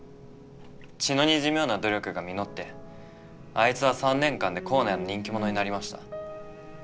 血のにじむような努力が実ってあいつは３年間で校内の人気者になりました。